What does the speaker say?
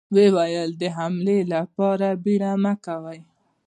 ويې ويل: د حملې له پاره بيړه مه کوئ!